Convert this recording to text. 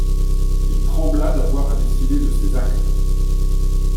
Il trembla d'avoir à décider de ses actes.